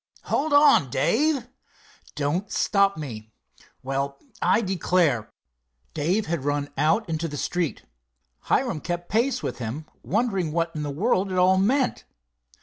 "Hold on, Dave." "Don't stop me." "Well, I declare!" Dave had run out into the street. Hiram kept pace with him, wondering what in the world it all meant.